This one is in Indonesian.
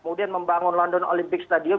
kemudian membangun london olympic stadium